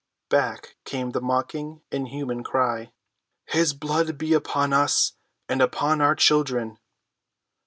Back came the mocking, inhuman cry, "His blood be upon us and upon our children!"